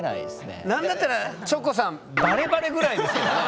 何だったらチョコさんバレバレぐらいですけどね。